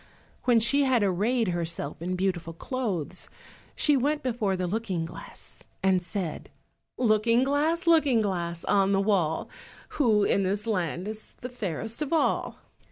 When she had arrayed herself in beautiful clothes she went before the Looking glass, and said— "Looking glass, Looking glass, on the wall, Who in this land is the fairest of all?"